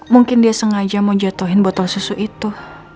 mungkin dia sengaja mau jatuhin botol susu itu